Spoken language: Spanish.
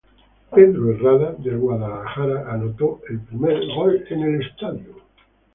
Pedro Herrada, del Guadalajara, anotó el primer gol en el estadio.